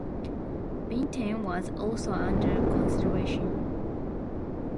Bintan was also under consideration.